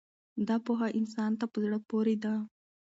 دا پوهه انسان ته په زړه پورې ده.